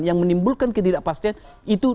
yang menimbulkan ketidakpastian itu